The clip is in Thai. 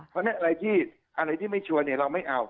ทำเนี่ยอะไรที่ไม่เพียบชัยเราไม่เอา